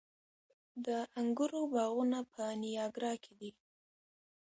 د انګورو باغونه په نیاګرا کې دي.